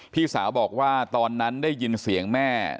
พี่สาวบอกว่าตอนนั้นได้ยินเสียงแม่